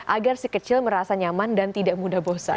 agar si kecil merasa nyaman dan tidak mudah bosan